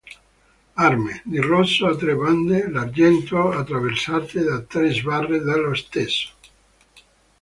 Arme: Di rosso a tre bande d’argento attraversate da tre sbarre dello stesso.